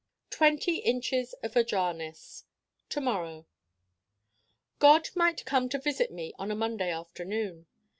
Twenty inches of ajarness To morrow God might come to visit me on a Monday afternoon.